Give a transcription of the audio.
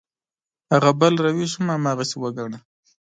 هغه بل روش هم هماغسې وګڼه.